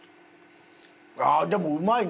ああでもうまいな。